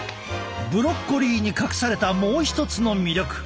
ブロッコリーに隠されたもう一つの魅力